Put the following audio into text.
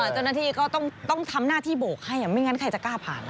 เจ้าหน้าที่ก็ต้องทำหน้าที่โบกให้ไม่งั้นใครจะกล้าผ่าน